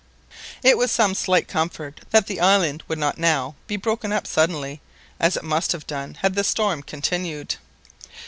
It was some slight comfort that the island would not now be broken up suddenly, as it must have done had the storm continued.